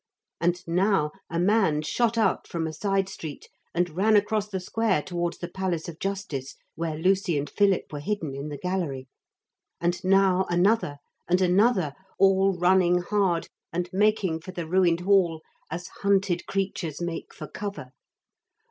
And now a man shot out from a side street and ran across the square towards the Palace of Justice where Lucy and Philip were hidden in the gallery. And now another and another all running hard and making for the ruined hall as hunted creatures make for cover.